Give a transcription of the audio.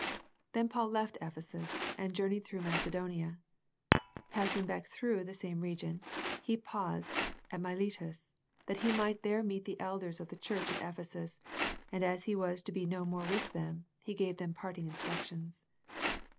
Then Paul left Ephesus, and journeyed through Macedonia. Passing back through the same region, he paused at Miletus that he might there meet the elders of the church at Ephesus, and as he was to be no more with them, he gave them parting instructions.